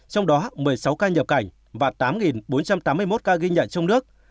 trong đó một mươi sáu ca nhập cảnh và tám bốn trăm tám mươi một ca ghi nhận trong nước